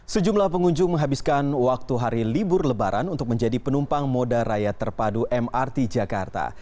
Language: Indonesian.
sejumlah pengunjung menghabiskan waktu hari libur lebaran untuk menjadi penumpang moda raya terpadu mrt jakarta